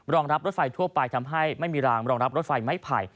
รองรับรถไฟทั่วไปทำให้ไม่มีรางรองรับรถไฟไม้ไผ่